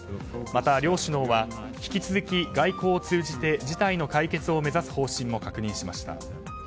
また両首脳は引き続き外交を通じて事態の解決を目指す方針も確認しました。